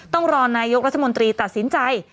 ต้องรอนายกรัฐมนตรีตัดสินใจ